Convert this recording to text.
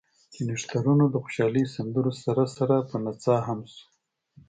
چې نښترونو د خوشالۍ سندرو سره سره پۀ نڅا هم شو ـ